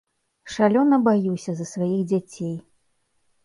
Шалёна баюся за сваіх дзяцей.